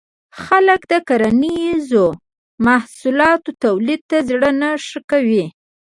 خلک د کرنیزو محصولاتو تولید ته زړه نه ښه کوي.